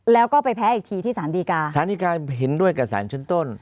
แล้วก็ไปแพ้อีกทีที่สารดีการสารดีการเห็นด้วยกับสารชั้นต้น